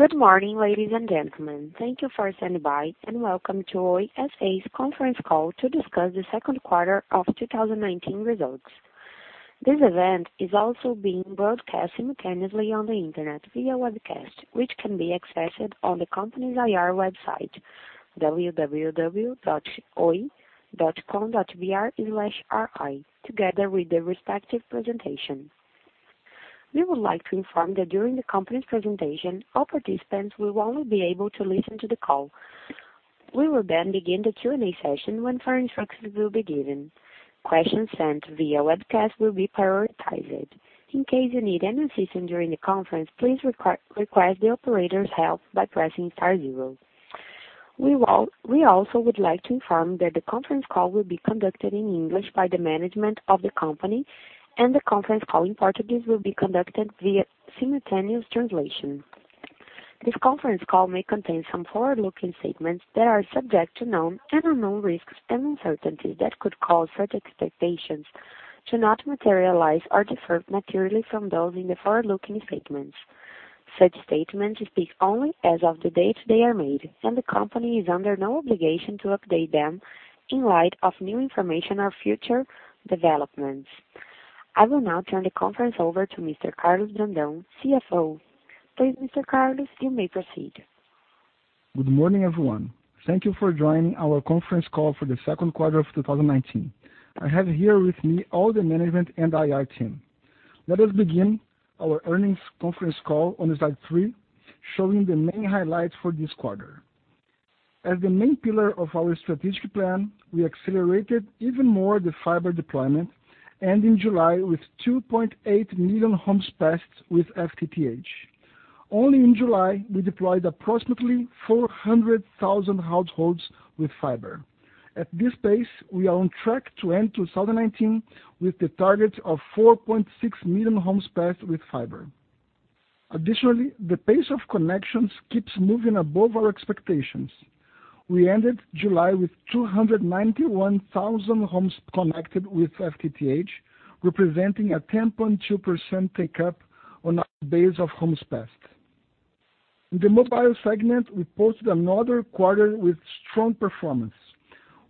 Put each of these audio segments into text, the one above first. Good morning, ladies and gentlemen. Thank you for standing by and welcome to Oi S.A.'s conference call to discuss the second quarter of 2019 results. This event is also being broadcast simultaneously on the internet via webcast, which can be accessed on the company's IR website, www.oi.com.br/ri, together with the respective presentation. We would like to inform that during the company's presentation, all participants will only be able to listen to the call. We will then begin the Q&A session when further instructions will be given. Questions sent via webcast will be prioritized. In case you need any assistance during the conference, please request the operator's help by pressing star zero. We also would like to inform that the conference call will be conducted in English by the management of the company and the conference call in Portuguese will be conducted via simultaneous translation. This conference call may contain some forward-looking statements that are subject to known and unknown risks and uncertainties that could cause such expectations to not materialize or differ materially from those in the forward-looking statements. Such statements speak only as of the date they are made, and the company is under no obligation to update them in light of new information or future developments. I will now turn the conference over to Mr. Carlos Brandão, CFO. Please, Mr. Carlos, you may proceed. Good morning, everyone. Thank you for joining our conference call for the second quarter of 2019. I have here with me all the management and IR team. Let us begin our earnings conference call on slide three, showing the main highlights for this quarter. As the main pillar of our strategic plan, we accelerated even more the fiber deployment, and in July with 2.8 million Homes Passed with FTTH. Only in July, we deployed approximately 400,000 households with fiber. At this pace, we are on track to end 2019 with the target of 4.6 million Homes Passed with fiber. Additionally, the pace of connections keeps moving above our expectations. We ended July with 291,000 homes connected with FTTH, representing a 10.2% take-up on our base of Homes Passed. In the mobile segment, we posted another quarter with strong performance.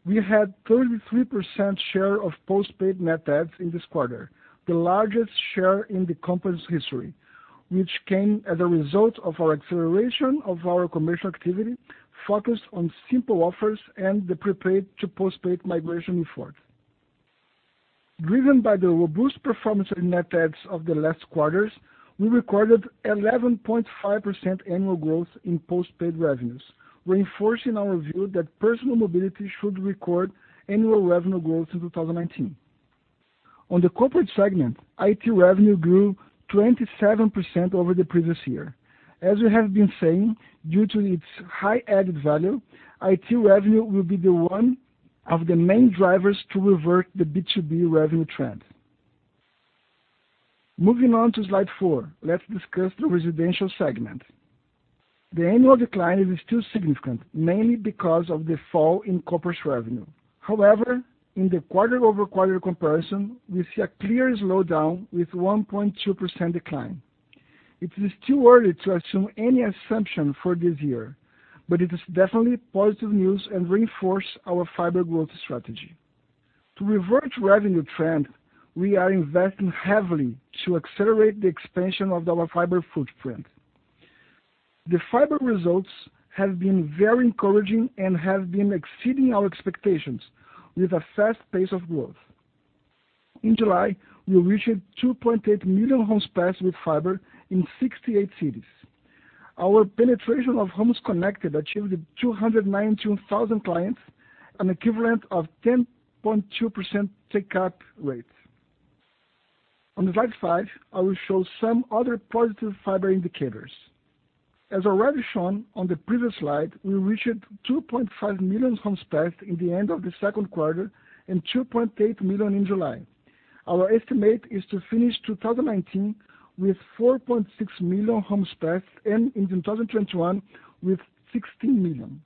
We had 33% share of postpaid net adds in this quarter, the largest share in the company's history, which came as a result of our acceleration of our commercial activity focused on simple offers and the prepaid to postpaid migration effort. Driven by the robust performance in net adds of the last quarters, we recorded 11.5% annual growth in postpaid revenues, reinforcing our view that personal mobility should record annual revenue growth in 2019. On the corporate segment, IT revenue grew 27% over the previous year. As we have been saying, due to its high added value, IT revenue will be the one of the main drivers to revert the B2B revenue trend. Moving on to slide four, let's discuss the residential segment. The annual decline is still significant, mainly because of the fall in corporate revenue. However, in the quarter-over-quarter comparison, we see a clear slowdown with 1.2% decline. It is too early to assume any assumption for this year, but it is definitely positive news and reinforce our fiber growth strategy. To revert revenue trend, we are investing heavily to accelerate the expansion of our fiber footprint. The fiber results have been very encouraging and have been exceeding our expectations with a fast pace of growth. In July, we reached 2.8 million homes passed with fiber in 68 cities. Our penetration of homes connected achieved 291,000 clients, an equivalent of 10.2% take-up rate. On slide five, I will show some other positive fiber indicators. As already shown on the previous slide, we reached 2.5 million homes passed in the end of the second quarter and 2.8 million in July. Our estimate is to finish 2019 with 4.6 million homes passed and in 2021 with 16 million.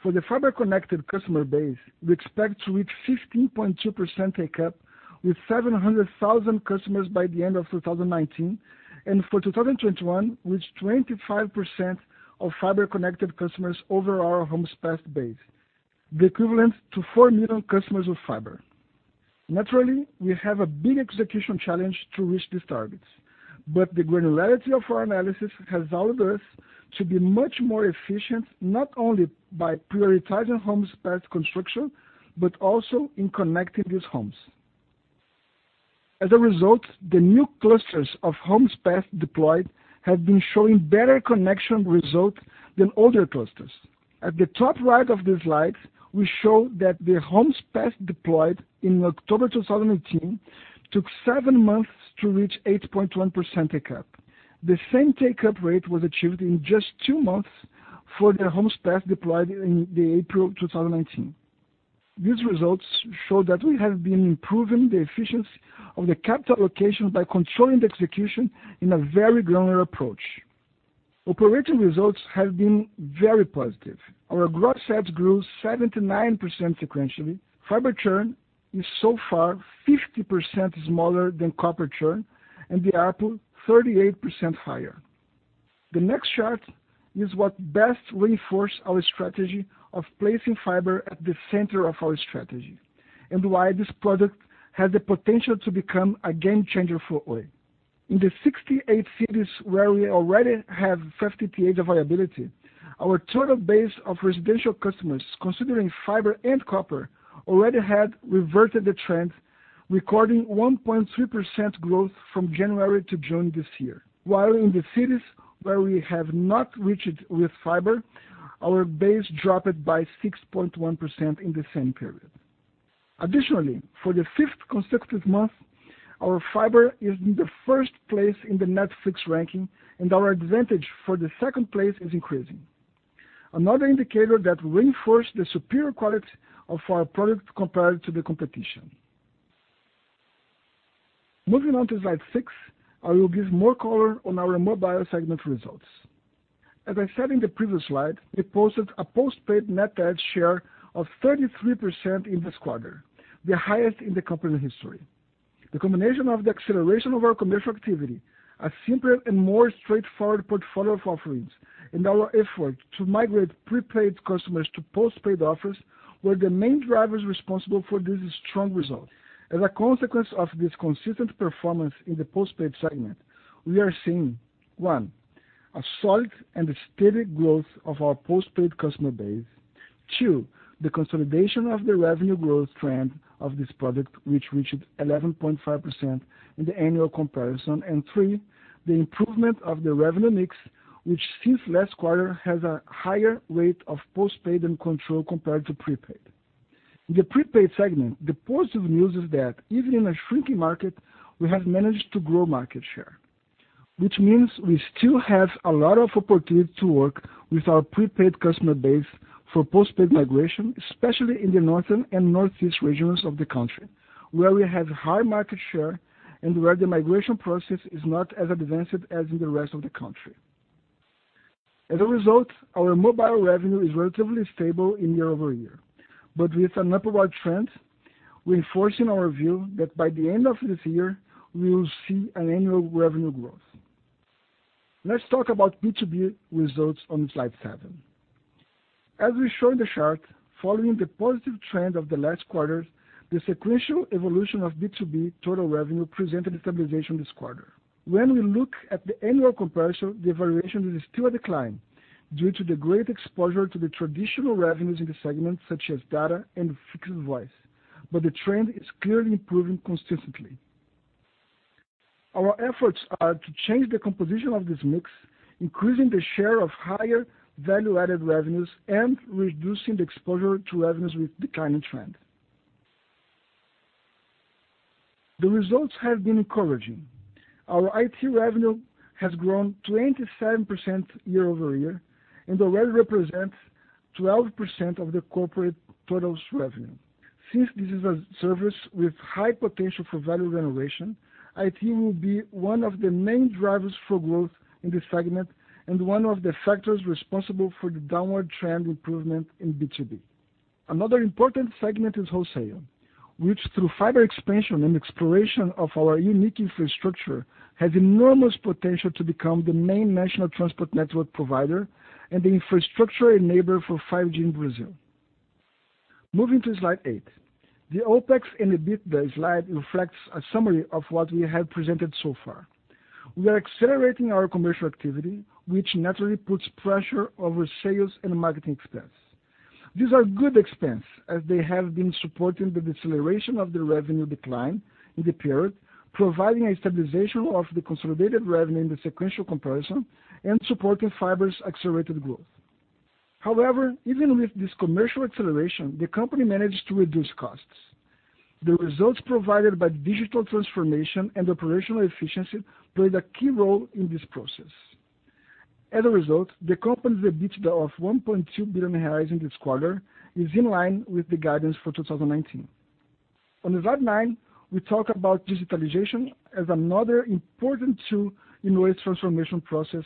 For the fiber-connected customer base, we expect to reach 15.2% take-up with 700,000 customers by the end of 2019, and for 2021, with 25% of fiber-connected customers over our homes passed base, the equivalent to 4 million customers with fiber. Naturally, we have a big execution challenge to reach these targets, but the granularity of our analysis has allowed us to be much more efficient, not only by prioritizing homes passed construction, but also in connecting these homes. As a result, the new clusters of homes passed deployed have been showing better connection results than older clusters. At the top right of the slide, we show that the homes passed deployed in October 2018 took 7 months to reach 8.1% take-up. The same take-up rate was achieved in just 2 months for the homes passed deployed in the April 2019. These results show that we have been improving the efficiency of the capital allocation by controlling the execution in a very granular approach. Operating results have been very positive. Our gross adds grew 79% sequentially. Fiber churn is so far 50% smaller than copper churn and the ARPU 38% higher. The next chart is what best reinforces our strategy of placing fiber at the center of our strategy, and why this product has the potential to become a game changer for Oi. In the 68 cities where we already have 50 Mbps availability, our total base of residential customers, considering fiber and copper, already had reverted the trend, recording 1.3% growth from January to June this year. While in the cities where we have not reached with fiber, our base dropped by 6.1% in the same period. Additionally, for the fifth consecutive month, our fiber is in the first place in the Netflix ranking, and our advantage for the second place is increasing. Another indicator that reinforces the superior quality of our product compared to the competition. Moving on to slide six, I will give more color on our mobile segment results. As I said in the previous slide, we posted a postpaid net add share of 33% in this quarter, the highest in the company history. The combination of the acceleration of our commercial activity, a simpler and more straightforward portfolio of offerings, and our effort to migrate prepaid customers to postpaid offers, were the main drivers responsible for this strong result. As a consequence of this consistent performance in the postpaid segment, we are seeing, one, a solid and steady growth of our postpaid customer base. Two, the consolidation of the revenue growth trend of this product, which reached 11.5% in the annual comparison. Three, the improvement of the revenue mix, which since last quarter has a higher rate of postpaid and control compared to prepaid. In the prepaid segment, the positive news is that even in a shrinking market, we have managed to grow market share, which means we still have a lot of opportunity to work with our prepaid customer base for postpaid migration, especially in the northern and northeast regions of the country, where we have high market share and where the migration process is not as advanced as in the rest of the country. As a result, our mobile revenue is relatively stable in year-over-year. With an upward trend, reinforcing our view that by the end of this year, we will see an annual revenue growth. Let's talk about B2B results on slide seven. As we show in the chart, following the positive trend of the last quarter, the sequential evolution of B2B total revenue presented a stabilization this quarter. When we look at the annual comparison, the evaluation is still a decline due to the great exposure to the traditional revenues in the segment, such as data and fixed voice, but the trend is clearly improving consistently. Our efforts are to change the composition of this mix, increasing the share of higher value-added revenues and reducing the exposure to revenues with declining trend. The results have been encouraging. Our IT revenue has grown 27% year-over-year and already represents 12% of the corporate totals revenue. Since this is a service with high potential for value generation, IT will be one of the main drivers for growth in this segment and one of the factors responsible for the downward trend improvement in B2B. Another important segment is wholesale, which through fiber expansion and exploration of our unique infrastructure, has enormous potential to become the main national transport network provider and the infrastructure enabler for 5G in Brazil. Moving to slide eight. The OPEX and EBITDA slide reflects a summary of what we have presented so far. We are accelerating our commercial activity, which naturally puts pressure over sales and marketing expense. These are good expense as they have been supporting the deceleration of the revenue decline in the period, providing a stabilization of the consolidated revenue in the sequential comparison and supporting fiber's accelerated growth. However, even with this commercial acceleration, the company managed to reduce costs. The results provided by digital transformation and operational efficiency played a key role in this process. As a result, the company's EBITDA of 1.2 billion reais in this quarter is in line with the guidance for 2019. On slide nine, we talk about digitalization as another important tool in Oi's transformation process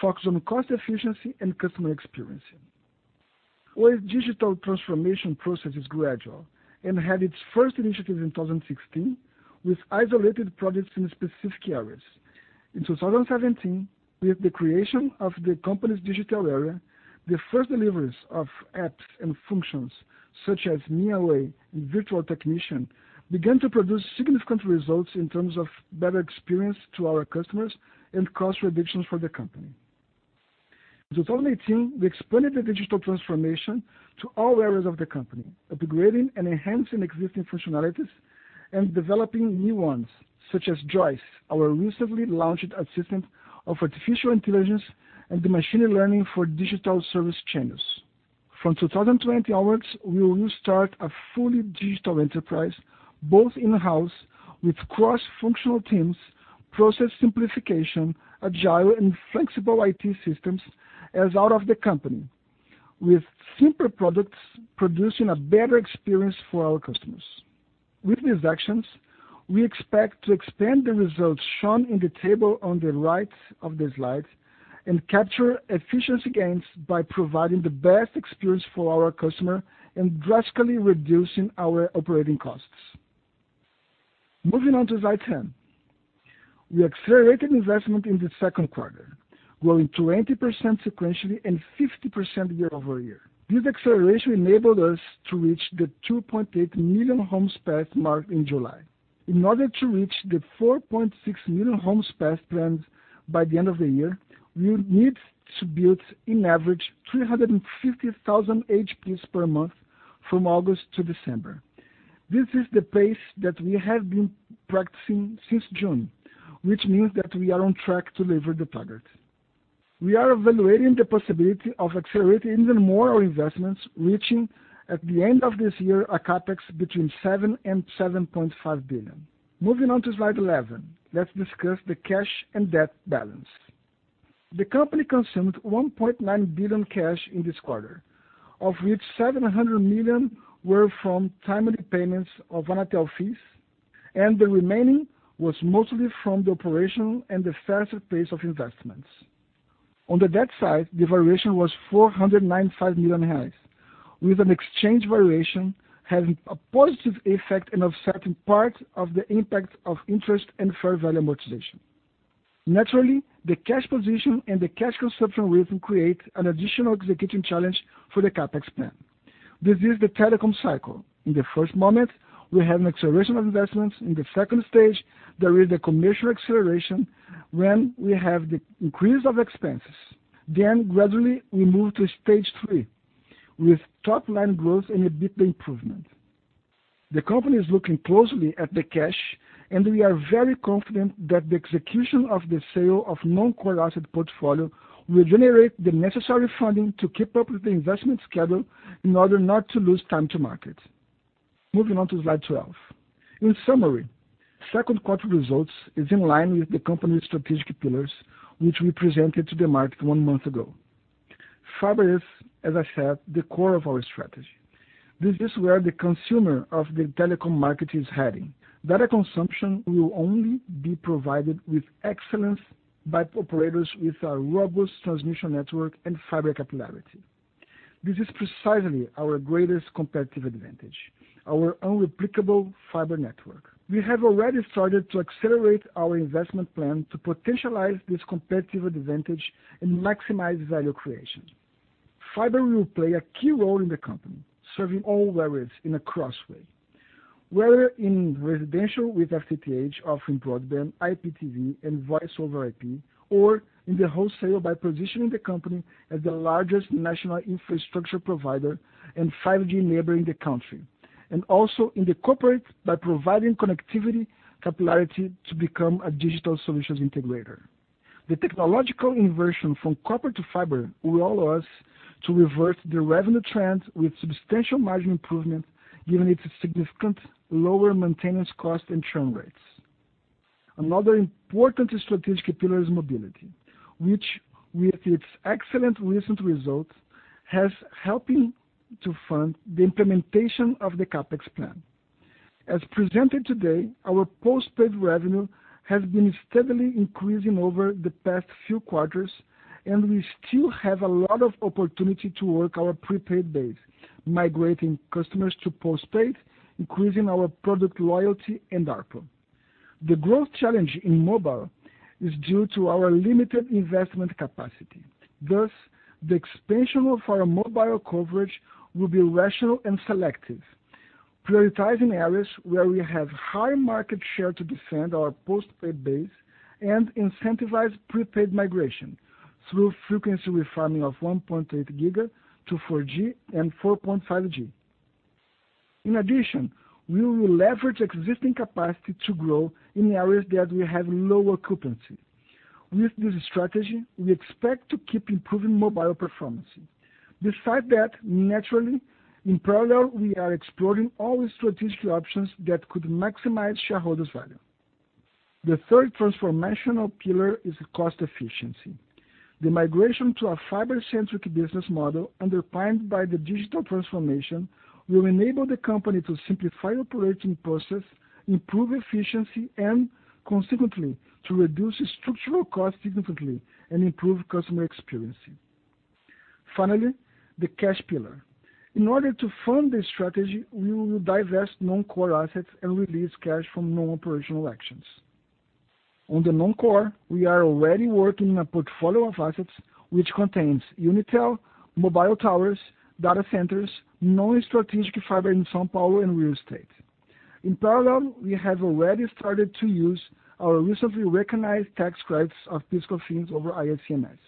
focused on cost efficiency and customer experience. Oi's digital transformation process is gradual and had its first initiative in 2016 with isolated products in specific areas. In 2017, with the creation of the company's digital area, the first deliveries of apps and functions such as Minha Oi and Técnico Virtual began to produce significant results in terms of better experience to our customers and cost reductions for the company. In 2018, we expanded the digital transformation to all areas of the company, upgrading and enhancing existing functionalities and developing new ones, such as Joice, our recently launched assistant of artificial intelligence and machine learning for digital service channels. From 2020 onwards, we will start a fully digital enterprise, both in-house with cross-functional teams, process simplification, agile and flexible IT systems as out of the company. With simpler products producing a better experience for our customers. With these actions, we expect to expand the results shown in the table on the right of the slide. Capture efficiency gains by providing the best experience for our customer and drastically reducing our operating costs. Moving on to slide 10. We accelerated investment in the second quarter, growing 20% sequentially and 50% year-over-year. This acceleration enabled us to reach the 2.8 million Homes Passed mark in July. In order to reach the 4.6 million homes passed planned by the end of the year, we will need to build, in average, 350,000 HPs per month from August to December. This is the pace that we have been practicing since June, which means that we are on track to deliver the target. We are evaluating the possibility of accelerating even more our investments, reaching, at the end of this year, a CapEx between 7 billion and 7.5 billion. Moving on to slide 11. Let's discuss the cash and debt balance. The company consumed 1.9 billion cash in this quarter, of which 700 million were from timely payments of Anatel fees, and the remaining was mostly from the operation and the faster pace of investments. On the debt side, the variation was 495 million reais, with an exchange variation having a positive effect in offsetting part of the impact of interest and fair value amortization. Naturally, the cash position and the cash consumption rate create an additional execution challenge for the CapEx plan. This is the telecom cycle. In the first moment, we have an acceleration of investments. In the second stage, there is a commercial acceleration when we have the increase of expenses. Gradually, we move to stage 3 with top-line growth and EBITDA improvement. The company is looking closely at the cash, and we are very confident that the execution of the sale of non-core asset portfolio will generate the necessary funding to keep up with the investment schedule in order not to lose time to market. Moving on to slide 12. In summary, second quarter results is in line with the company's strategic pillars, which we presented to the market one month ago. Fiber is, as I said, the core of our strategy. This is where the consumer of the telecom market is heading. Data consumption will only be provided with excellence by operators with a robust transmission network and fiber capillarity. This is precisely our greatest competitive advantage, our unreplicable fiber network. We have already started to accelerate our investment plan to potentialize this competitive advantage and maximize value creation. Fiber will play a key role in the company, serving all areas in a cross way, whether in residential with FTTH offering broadband, IPTV, and voice-over IP, or in the wholesale by positioning the company as the largest national infrastructure provider and 5G enabler in the country, and also in the corporate by providing connectivity capillarity to become a digital solutions integrator. The technological inversion from copper to fiber will allow us to reverse the revenue trend with substantial margin improvement, given its significant lower maintenance cost and churn rates. Another important strategic pillar is mobility, which with its excellent recent results, has helped to fund the implementation of the CapEx plan. As presented today, our postpaid revenue has been steadily increasing over the past few quarters, and we still have a lot of opportunity to work our prepaid base, migrating customers to postpaid, increasing our product loyalty and ARPU. The growth challenge in mobile is due to our limited investment capacity. Thus, the expansion of our mobile coverage will be rational and selective, prioritizing areas where we have high market share to defend our postpaid base and incentivize prepaid migration through frequency refarming of 1.8 giga to 4G and 4.5G. In addition, we will leverage existing capacity to grow in areas that we have low occupancy. With this strategy, we expect to keep improving mobile performance. Besides that, naturally, in parallel, we are exploring all strategic options that could maximize shareholders' value. The third transformational pillar is cost efficiency. The migration to a fiber-centric business model, underpinned by the digital transformation, will enable the company to simplify operating process, improve efficiency, and consequently, to reduce structural costs significantly and improve customer experience. Finally, the cash pillar. In order to fund this strategy, we will divest non-core assets and release cash from non-operational actions. On the non-core, we are already working on a portfolio of assets which contains Unitel, mobile towers, data centers, non-strategic fiber in São Paulo, and real estate. In parallel, we have already started to use our recently recognized tax credits of fiscal fines over ICMS.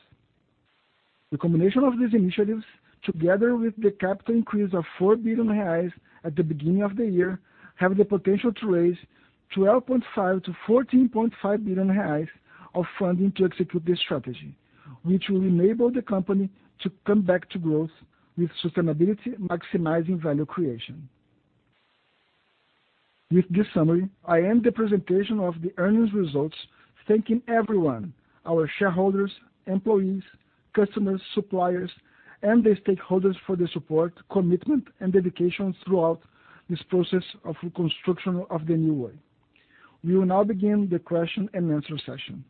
The combination of these initiatives, together with the capital increase of 4 billion reais at the beginning of the year, have the potential to raise 12.5 billion-14.5 billion reais of funding to execute this strategy, which will enable the company to come back to growth with sustainability, maximizing value creation. With this summary, I end the presentation of the earnings results, thanking everyone, our shareholders, employees, customers, suppliers, and the stakeholders for their support, commitment, and dedication throughout this process of reconstruction of the new Oi. We will now begin the question and answer session.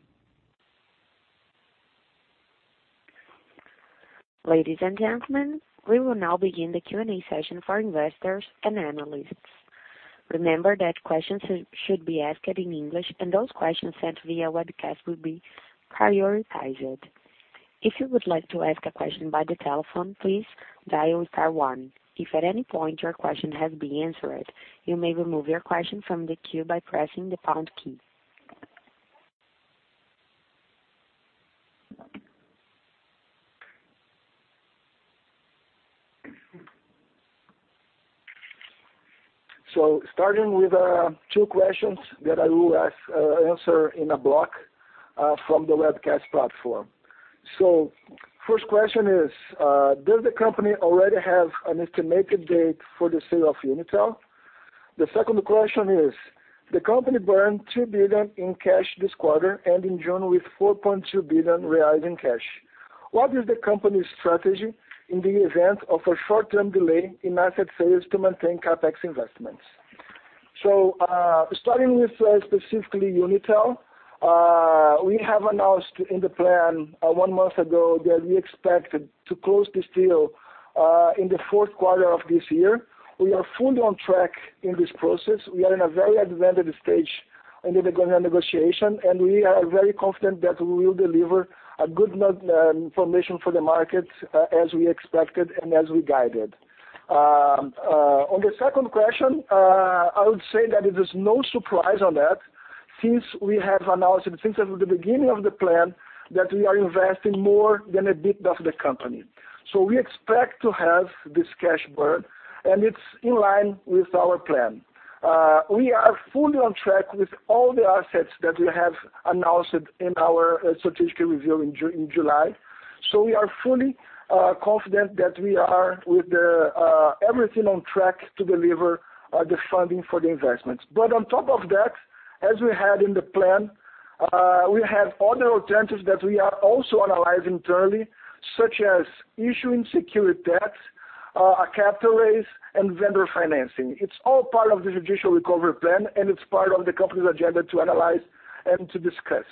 Ladies and gentlemen, we will now begin the Q&A session for investors and analysts. Remember that questions should be asked in English, and those questions sent via webcast will be prioritized. If you would like to ask a question by the telephone, please dial star one. If at any point your question has been answered, you may remove your question from the queue by pressing the pound key. Starting with two questions that I will answer in a block from the webcast platform. First question is: Does the company already have an estimated date for the sale of Unitel? The second question is: The company burned 2 billion in cash this quarter, ending June with 4.2 billion reais in cash. What is the company's strategy in the event of a short-term delay in asset sales to maintain CapEx investments? Starting with specifically Unitel, we have announced in the plan, one month ago, that we expected to close this deal in the fourth quarter of this year. We are fully on track in this process. We are in a very advanced stage in the negotiation, and we are very confident that we will deliver a good enough information for the market as we expected and as we guided. On the second question, I would say that it is no surprise on that since we have announced it since the beginning of the plan that we are investing more than a bit of the company. We expect to have this cash burn, and it's in line with our plan. We are fully on track with all the assets that we have announced in our strategic review in July. We are fully confident that we are with everything on track to deliver the funding for the investments. On top of that, as we had in the plan, we have other alternatives that we are also analyzing thoroughly, such as issuing secured debt, a capital raise, and vendor financing. It's all part of the judicial recovery plan, and it's part of the company's agenda to analyze and to discuss.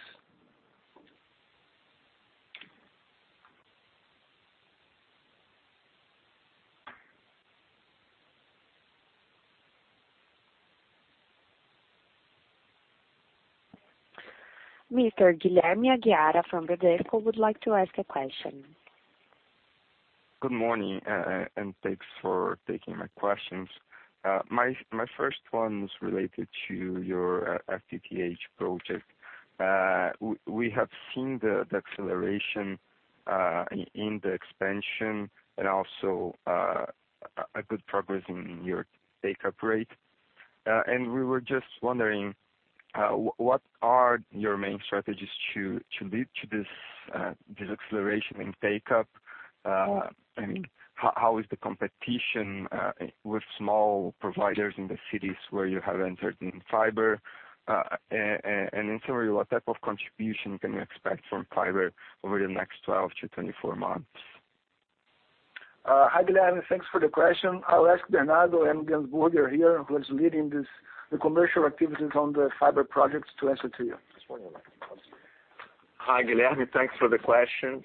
Mr. Guilherme Aguiar from Bradesco would like to ask a question. Good morning. Thanks for taking my questions. My first one is related to your FTTH project. We have seen the acceleration in the expansion and also a good progress in your take-up rate. We were just wondering what are your main strategies to lead to this acceleration in take-up? How is the competition with small providers in the cities where you have entered in fiber? In summary, what type of contribution can you expect from fiber over the next 12 to 24 months? Hi, Guilherme. Thanks for the question. I'll ask Bernardo Ganske here, who is leading the commercial activities on the fiber projects to answer to you. Hi, Guilherme. Thanks for the question.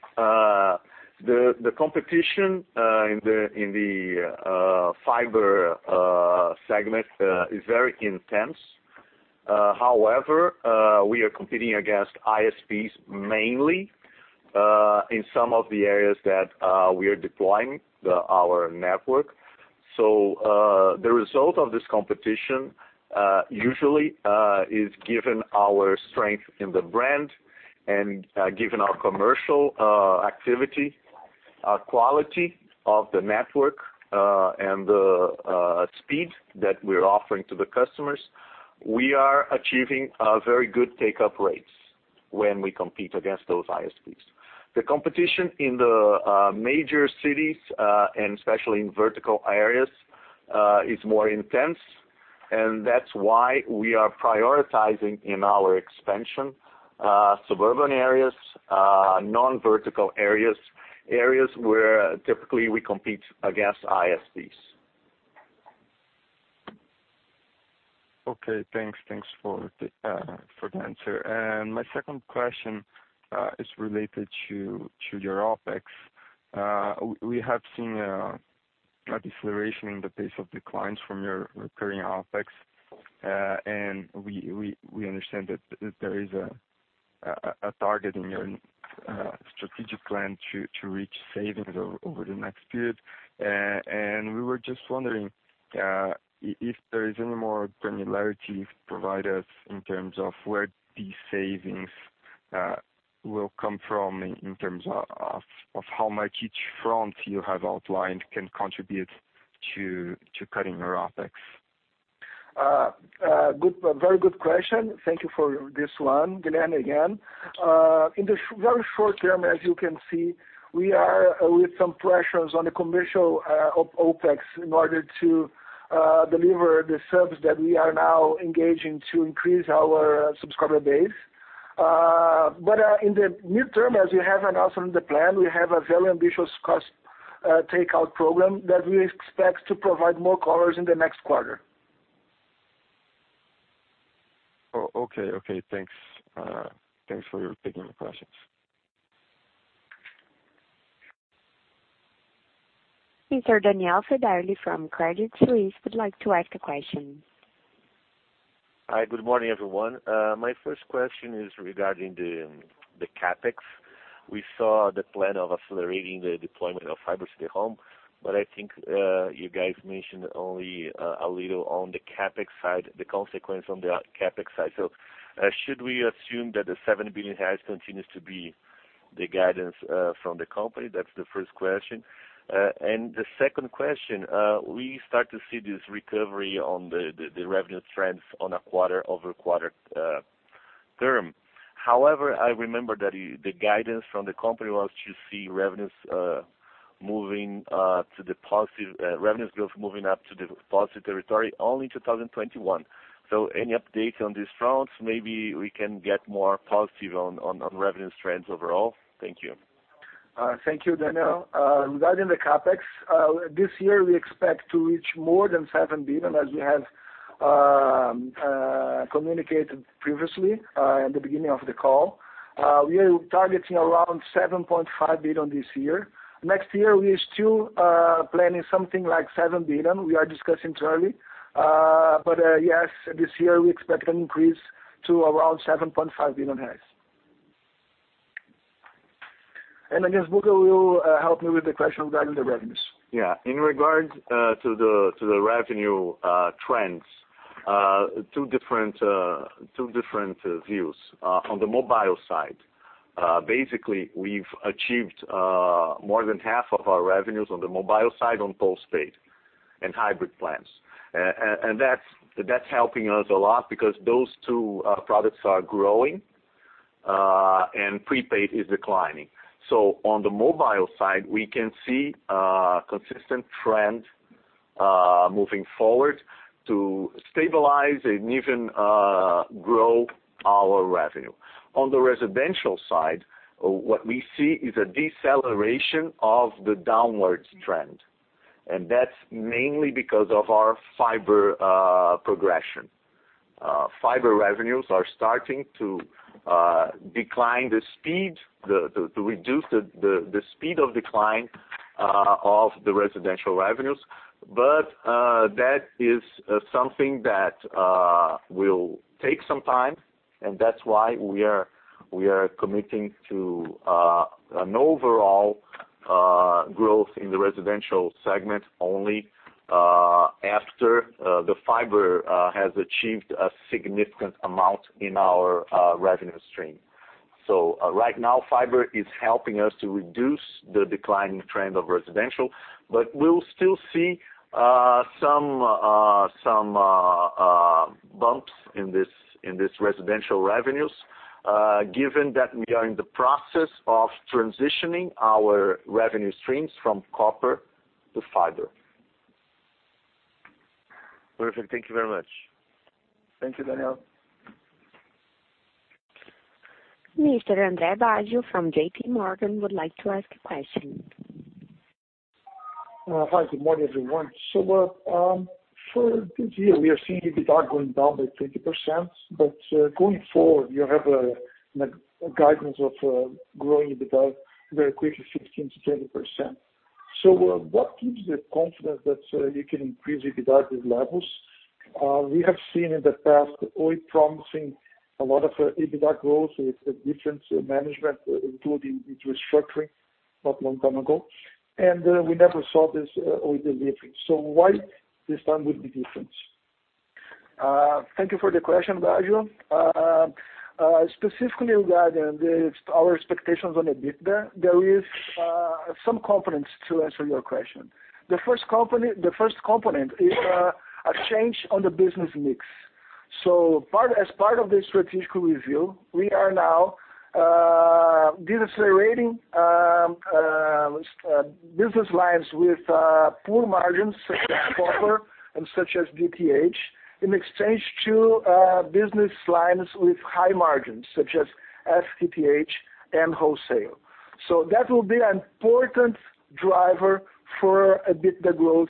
The competition in the fiber segment is very intense. However, we are competing against ISPs mainly in some of the areas that we are deploying our network. The result of this competition usually is given our strength in the brand and given our commercial activity, quality of the network, and the speed that we're offering to the customers. We are achieving very good take-up rates when we compete against those ISPs. The competition in the major cities, and especially in vertical areas, is more intense, and that's why we are prioritizing in our expansion suburban areas, non-vertical areas where typically we compete against ISPs. Okay. Thanks for the answer. My second question is related to your OpEx. We have seen a deceleration in the pace of declines from your recurring OpEx. We understand that there is a target in your strategic plan to reach savings over the next period. We were just wondering if there is any more granularity you could provide us in terms of where these savings will come from in terms of how much each front you have outlined can contribute to cutting your OpEx. Very good question. Thank you for this one, Guilherme, again. In the very short term, as you can see, we are with some pressures on the commercial OPEX in order to deliver the service that we are now engaging to increase our subscriber base. In the near term, as we have announced in the plan, we have a very ambitious cost takeout program that we expect to provide more colors in the next quarter. Okay. Thanks for taking the questions. Mr. Daniel Federle from Credit Suisse would like to ask a question. Hi, good morning, everyone. My first question is regarding the CapEx. We saw the plan of accelerating the deployment of fiber to the home, but I think you guys mentioned only a little on the consequence on the CapEx side. Should we assume that the 7 billion reais continues to be the guidance from the company? That's the first question. The second question, we start to see this recovery on the revenue trends on a quarter-over-quarter term. However, I remember that the guidance from the company was to see revenue growth moving up to the positive territory only in 2021. Any update on these fronts, maybe we can get more positive on revenue trends overall. Thank you. Thank you, Daniel. Regarding the CapEx, this year we expect to reach more than 7 billion, as we have communicated previously at the beginning of the call. We are targeting around 7.5 billion this year. Next year, we are still planning something like 7 billion. We are discussing internally. Yes, this year we expect an increase to around 7.5 billion. I guess Bernardo will help me with the question regarding the revenues. Yeah. In regards to the revenue trends, two different views. On the mobile side, basically, we've achieved more than half of our revenues on the mobile side on post-paid and hybrid plans. That's helping us a lot because those two products are growing, and prepaid is declining. On the mobile side, we can see a consistent trend moving forward to stabilize and even grow our revenue. On the residential side, what we see is a deceleration of the downwards trend, and that's mainly because of our fiber progression. Fiber revenues are starting to reduce the speed of decline of the residential revenues. That is something that will take some time, and that's why we are committing to an overall growth in the residential segment only after the fiber has achieved a significant amount in our revenue stream. Right now, fiber is helping us to reduce the declining trend of residential, but we'll still see some bumps in this residential revenues, given that we are in the process of transitioning our revenue streams from copper to fiber. Perfect. Thank you very much. Thank you, Daniel. Mr. Andre Baggio from JPMorgan would like to ask a question. Hi, good morning, everyone. For this year, we are seeing EBITDA going down by 20%, but going forward, you have a guidance of growing EBITDA very quickly, 15%-20%. What gives you the confidence that you can increase EBITDA at these levels? We have seen in the past Oi promising a lot of EBITDA growth with the different management, including the restructuring not long time ago, and we never saw this Oi delivering. Why this time would be different? Thank you for the question, Baggio. Specifically regarding our expectations on EBITDA, there is some confidence to answer your question. As part of the strategic review, we are now decelerating business lines with poor margins such as copper and such as DTH, in exchange to business lines with high margins such as FTTH and wholesale. That will be an important driver for EBITDA growth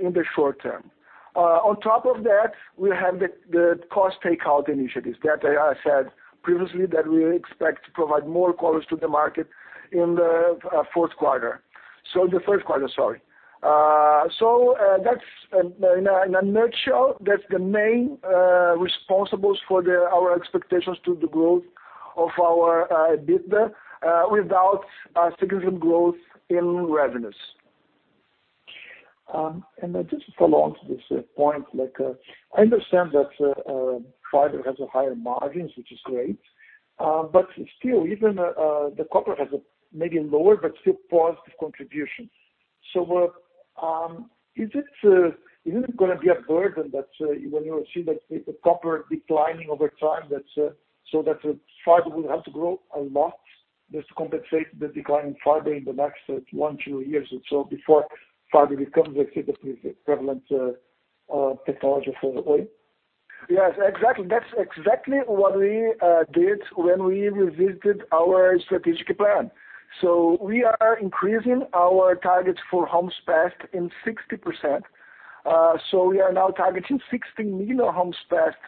in the short term. On top of that, we have the cost takeout initiatives that I said previously that we expect to provide more colors to the market in the first quarter. In a nutshell, that's the main responsibles for our expectations to the growth of our EBITDA without significant growth in revenues. Just to follow on to this point, I understand that fiber has higher margins, which is great. Still, even the copper has maybe lower but still positive contribution. Isn't it going to be a burden that when you see that the copper declining over time, so that fiber will have to grow a lot just to compensate the decline in fiber in the next one, two years or so before fiber becomes a significantly prevalent technology for Oi. Yes, exactly. That's exactly what we did when we revisited our strategic plan. We are increasing our targets for Homes Passed in 60%. We are now targeting 60 million Homes Passed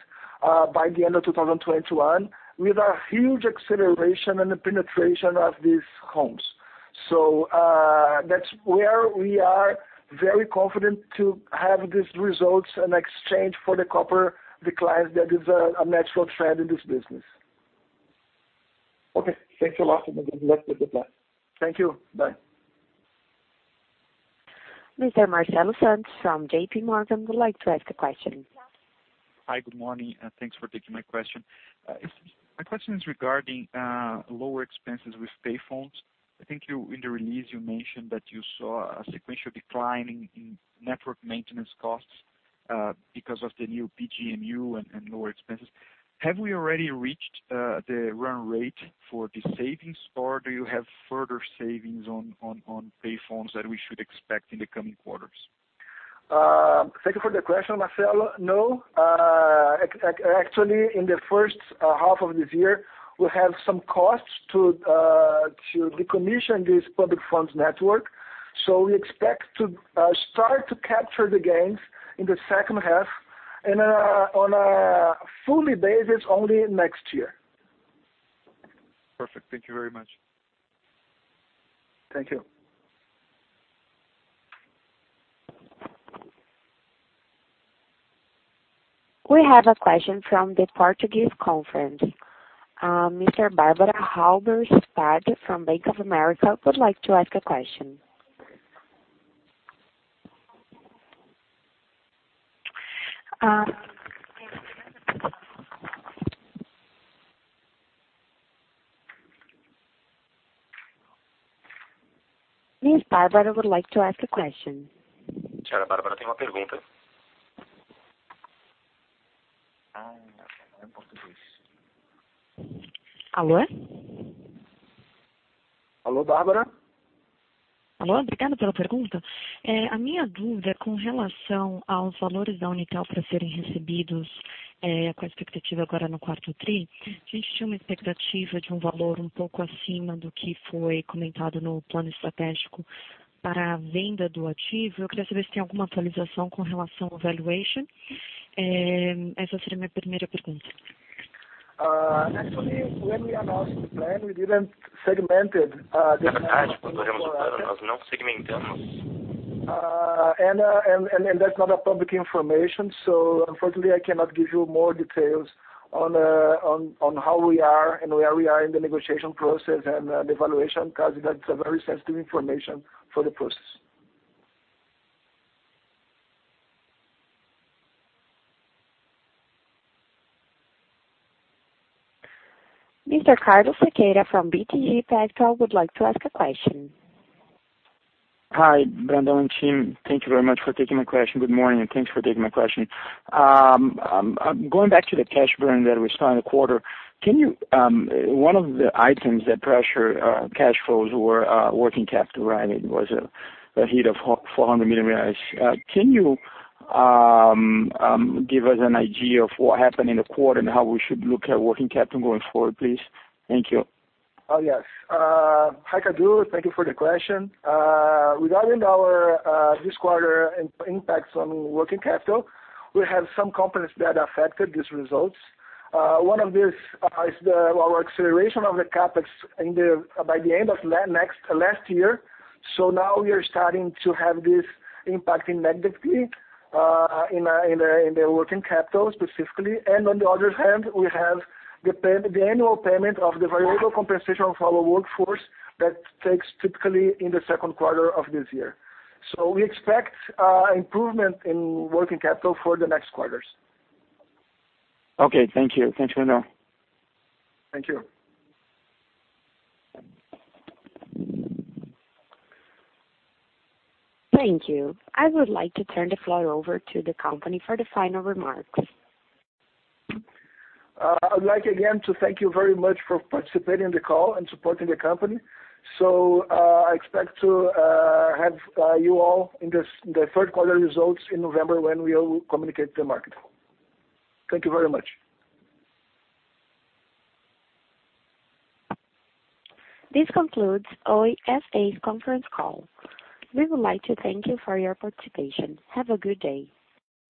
by the end of 2021, with a huge acceleration in the penetration of these homes. That's where we are very confident to have these results in exchange for the copper declines that is a natural trend in this business. Okay, thanks a lot. Good luck with the plan. Thank you. Bye. Mr. Marcelo Santos from JPMorgan would like to ask a question. Hi. Good morning, and thanks for taking my question. My question is regarding lower expenses with payphones. I think in the release, you mentioned that you saw a sequential decline in network maintenance costs, because of the new PGMU and lower expenses. Have we already reached the run rate for the savings, or do you have further savings on payphones that we should expect in the coming quarters? Thank you for the question, Marcelo. No, actually, in the first half of this year, we have some costs to decommission this public phone network. We expect to start to capture the gains in the second half and on a fully basis only next year. Perfect. Thank you very much. Thank you. We have a question from the Portuguese conference. Ms. Barbara Halberstadt from Bank of America would like to ask a question. Ms. Barbara would like to ask a question. Alô? Alô, Barbara? Alô. Obrigada pela pergunta. A minha dúvida é com relação aos valores da Unitel para serem recebidos, com a expectativa agora no quarto tri. A gente tinha uma expectativa de um valor um pouco acima do que foi comentado no plano estratégico para a venda do ativo. Eu queria saber se tem alguma atualização com relação ao valuation. Essa seria minha primeira pergunta. Actually, when we announced the plan, we didn't segment it. That's not a public information. Unfortunately, I cannot give you more details on how we are and where we are in the negotiation process and the valuation, because that's a very sensitive information for the process. Mr. Carlos Sequeira from BTG Pactual would like to ask a question. Hi, Brandão and team. Thank you very much for taking my question. Good morning. Thanks for taking my question. Going back to the cash burn that we saw in the quarter, one of the items that pressured cash flows were working capital, right? It was a hit of 400 million. Can you give us an idea of what happened in the quarter and how we should look at working capital going forward, please? Thank you. Oh, yes. Hi, Carlos. Thank you for the question. Regarding our this quarter impacts on working capital, we have some components that affected these results. One of these is our acceleration of the CapEx by the end of last year. Now we are starting to have this impacting negatively in the working capital specifically. On the other hand, we have the annual payment of the variable compensation of our workforce that takes typically in the second quarter of this year. We expect improvement in working capital for the next quarters. Okay, thank you. Thanks, Brandão. Thank you. Thank you. I would like to turn the floor over to the company for the final remarks. I would like again to thank you very much for participating in the call and supporting the company. I expect to have you all in the third quarter results in November when we will communicate to the market. Thank you very much. This concludes Oi S.A.'s conference call. We would like to thank you for your participation. Have a good day.